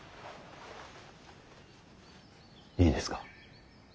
いいですか。